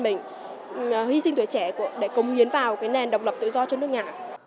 mình hy sinh tuổi trẻ để công hiến vào cái nền độc lập tự do cho nước nhà